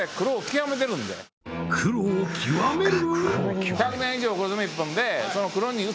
黒を極める？